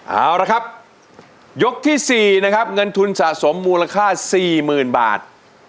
เอาละครับยกที่๔นะครับเงินทุนสะสมมูลค่า๔๐๐๐บาท